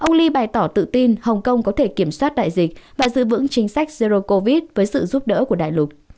ông lee bày tỏ tự tin hồng kông có thể kiểm soát đại dịch và giữ vững chính sách zero covid với sự giúp đỡ của đại lục